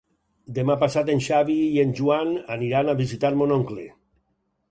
Demà passat en Xavi i en Joan aniran a visitar mon oncle.